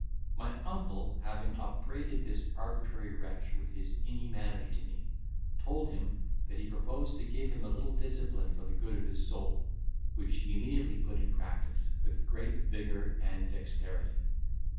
My uncle, having upbraided this arbitrary wretch with his inhumanity to me, told him, that he proposed to give him a little discipline for the good of his soul, which he immediately put in practice, with great vigour and dexterity.